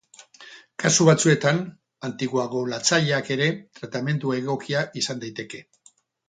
Kasu batzuetan, antikoagulatzaileak ere tratamendu egokia izan daiteke.